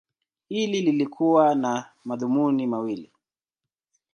Hili lilikuwa na madhumuni mawili.